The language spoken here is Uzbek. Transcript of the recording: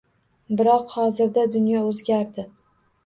Biroq hozirda dunyo o‘zgardi